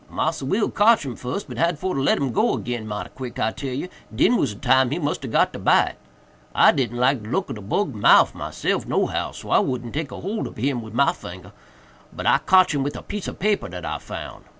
Massa Will cotch him fuss, but had for to let him go 'gin mighty quick, I tell you—den was de time he must ha' got de bite. I did n't like de look oh de bug mouff, myself, no how, so I would n't take hold ob him wid my finger, but I cotch him wid a piece ob paper dat I found.